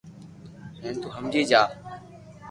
ھين تو ھمجي جا